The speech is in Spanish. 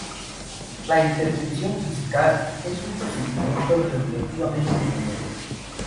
La intervención fetal es un procedimiento relativamente nuevo.